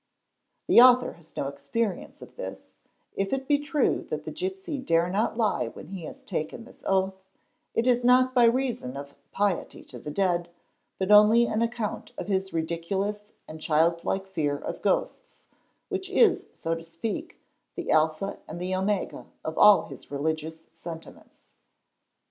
The author has no ex | perience of this; if it be true that the gipsy dare not lie when he has taken this oath, it is not by reason of "piety to the dead' but only an account of his ridiculous and childlike fear of ghosts, which is, so to speak, the — alpha and the omega of all his religious sentiments.